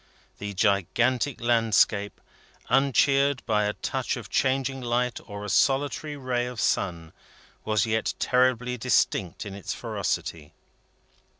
The gigantic landscape, uncheered by a touch of changing light or a solitary ray of sun, was yet terribly distinct in its ferocity.